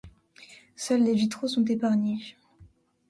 Seuls les vitraux sont épargnés.